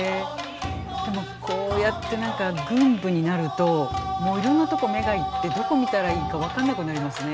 でもこうやって何か群舞になるともういろんなとこ目が行ってどこ見たらいいか分かんなくなりますね。